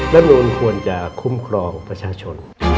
นูลควรจะคุ้มครองประชาชน